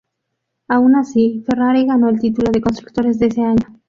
Aun así, Ferrari ganó el título de constructores de ese año.